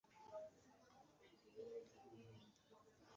imikaka y'iminsi ibisitaza/inzitizi z'ubuzima